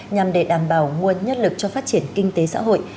nhằm để đảm bảo nguồn nhất lực cho phát triển kinh tế xã hội